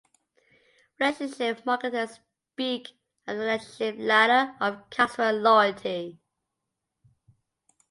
Relationship marketers speak of the "relationship ladder of customer loyalty".